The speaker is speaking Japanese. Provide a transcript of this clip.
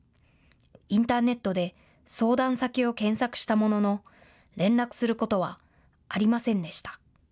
インターネットで相談先を検索したものの連絡することはありませんでした。